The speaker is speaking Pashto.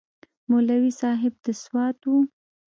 مولوي صاحب د سوات و.